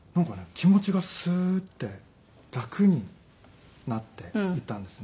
気持ちがスーッて楽になっていったんですね。